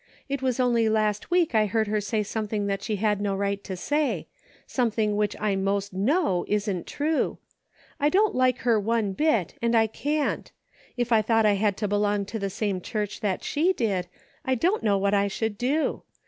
It was only last week I heard her say something that she had no right to say ; something which I most know isn't true. I don't like her one bit, and I can't. If I thought I had to belong to the same church that she did, I don't know what I shoftld do.